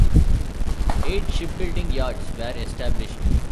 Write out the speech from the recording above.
Eight shipbuilding yards were established.